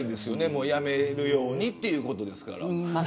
もうやめるようにということ。